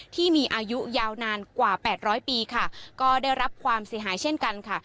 ที่มีอายุยาวนานกว่าแปดร้อยปีค่ะก็ได้รับความเสียหายเช่นกันค่ะ